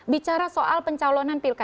bicara soal pencalonan pilkada